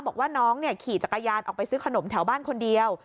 บอกว่าน้องขี่จักรยานออกไปซื้อขนมแถวบ้านคนเดียว